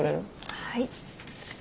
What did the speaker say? はい。